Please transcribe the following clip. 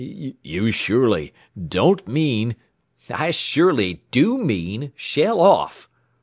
"You surely don't mean " "I surely DO mean! _Shell off!